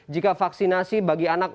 jika vaksinasi bagi anak